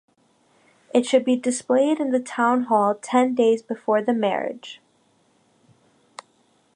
It should be displayed in the town hall ten days before the marriage.